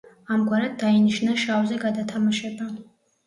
ამგვარად, დაინიშნა შავზე გადათამაშება.